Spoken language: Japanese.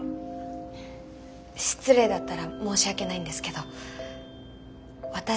失礼だったら申し訳ないんですけど私はそう思います。